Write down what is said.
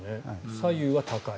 左右は高い。